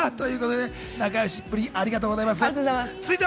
ということで、仲よしっぷり、ありがとうございました。